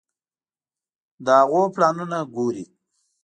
د هغوی پلانونه ګوري.